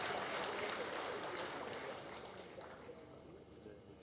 di hatinya rakyat kita